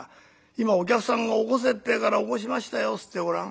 『今お客さんが起こせって言うから起こしましたよ』っつってごらん。